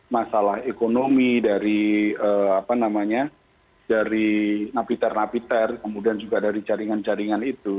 masalah ekonomi dari napiter napiter kemudian juga dari jaringan jaringan itu